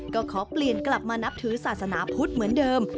ก็ขอเปลี่ยนกลับมานับถือศาสนาพุทธเหมือนเดิม